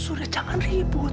sudah jangan ribut